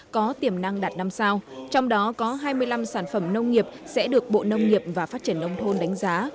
có tiềm năng đạt năm sao trong đó có hai mươi năm sản phẩm nông nghiệp sẽ được bộ nông nghiệp và phát triển nông thôn đánh giá